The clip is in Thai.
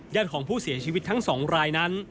ญาติของผู้เสียชีวิตทั้งสองรายนั้น